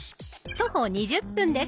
徒歩２０分です。